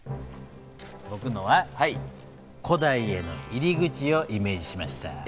ぼくのは古代への入り口をイメージしました。